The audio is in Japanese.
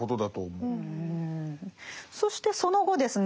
そしてその後ですね